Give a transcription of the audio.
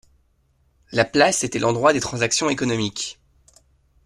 La place était l'endroit des transactions économiques.